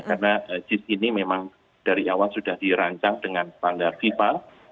karena jis ini memang dari awal sudah dirancang dengan standar fifa